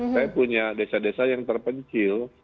saya punya desa desa yang terpencil